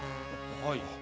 はい。